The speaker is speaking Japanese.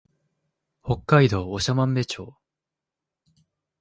北海道長万部町